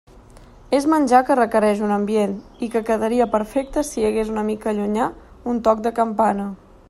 És menjar que requereix un ambient, i que quedaria perfecte si hi hagués una mica llunyà un toc de campana.